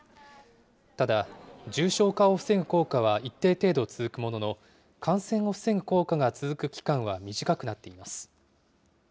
ただ、重症化を防ぐ効果は一定程度続くものの、感染を防ぐ効果が続く期間は短くなっています。